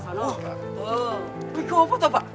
itu apaan itu pak